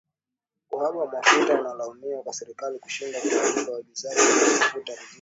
Uhaba wa mafuta unalaumiwa kwa serikali kushindwa kuwalipa waagizaji wa mafuta ruzuku yao